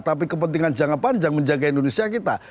tapi kepentingan jangka panjang menjaga indonesia kita